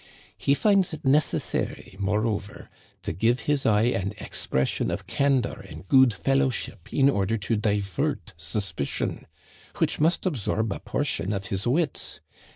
He finds it necessary, moreover, to give his eye an ex pression of candor and good fellowship in order to di vert suspicion — which must absorb a portion of his wits.